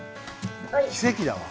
奇跡だわ。